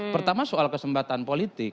pertama soal kesempatan politik